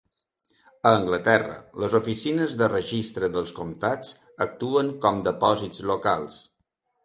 A Anglaterra, les oficines de registre dels comtats actuen com depòsits locals.